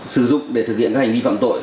sử dụng để thực hiện các hành vi phạm tội